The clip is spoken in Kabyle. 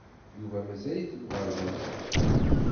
Yuba mazal-it deg uɣerbaz.